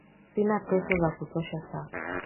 Sina pesa za kutosha sasa.